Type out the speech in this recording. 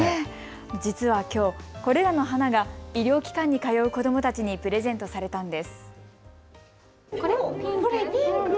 実はきょうこれらの花が医療機関に通う子どもたちにプレゼントされたんです。